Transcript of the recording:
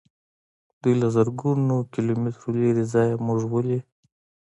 دوی له زرګونو کیلو مترو لیرې ځایه موږ ولي.